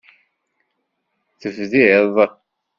Tebdiḍ.